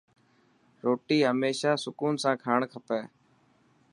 روٽي هميشه سڪون سان کاڻ کپي.